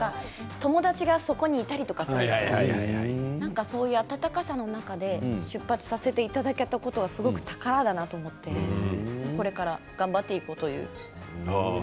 友達がそこにいたという感じで温かさの中で出発させていただけたことはすごく宝だなと思ってこれから頑張っていこうかなと思います。